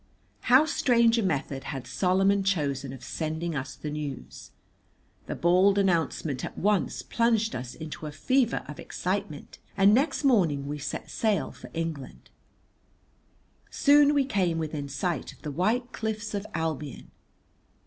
How strange a method had Solomon chosen of sending us the news. The bald announcement at once plunged us into a fever of excitement, and next morning we set sail for England. Soon we came within sight of the white cliffs of Albion.